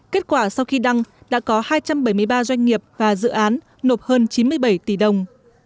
kết quả sau khi đăng đã có hai trăm bảy mươi ba doanh nghiệp và dự án nộp hơn chín mươi bảy tỷ đồng